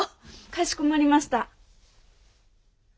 かしこまりました。